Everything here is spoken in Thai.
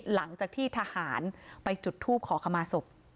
หลังจากที่ทหารไปจุดทูปขอขมาศพ